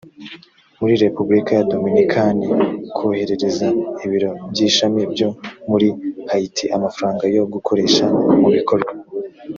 muri repubulika ya dominikani koherereza ibiro by ishami byo muri hayiti amafaranga yo gukoresha mu bikorwa